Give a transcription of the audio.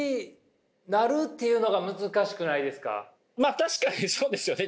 確かにそうですよね。